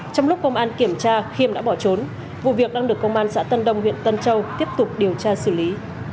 trong lúc công an kiểm tra khiêm đã bỏ trốn vụ việc đang được công an xã tân đông huyện tân châu tiếp tục điều tra xử lý